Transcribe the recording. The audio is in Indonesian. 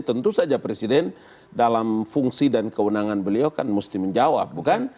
tentu saja presiden dalam fungsi dan kewenangan beliau kan mesti menjawab bukan